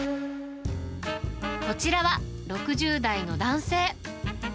こちらは、６０代の男性。